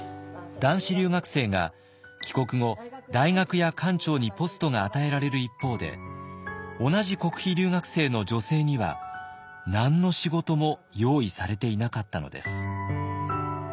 男子留学生が帰国後大学や官庁にポストが与えられる一方で同じ国費留学生の女性には何の仕事も用意されていなかったのです。